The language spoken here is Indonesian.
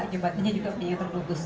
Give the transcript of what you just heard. jembatannya juga punya terlugus